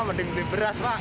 mending beli beras pak